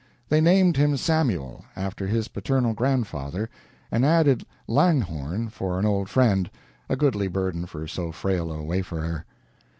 They named him Samuel, after his paternal grandfather, and added Langhorne for an old friend a goodly burden for so frail a wayfarer.